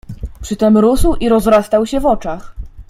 "Przytem rósł i rozrastał się w oczach."